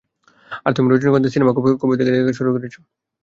আর তুমি রজনীকান্তের সিনেমা কবে থেকে দেখা শুরু করেছো?